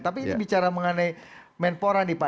tapi ini bicara mengenai menpora nih pak